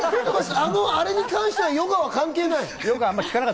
あれに関してはヨガは関係ない？